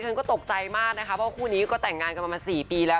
เชื่อใจมากนะคะเพราะว่าคู่นี้ก็แต่งงานกันมา๔ปีแล้ว